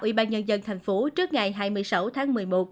ủy ban nhân dân tp trước ngày hai mươi sáu tháng một mươi một